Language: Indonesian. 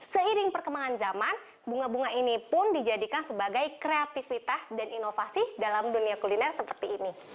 seiring perkembangan zaman bunga bunga ini pun dijadikan sebagai kreativitas dan inovasi dalam dunia kuliner seperti ini